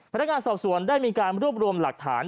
พนักงานสอบสวนได้มีการรวบรวมหลักฐาน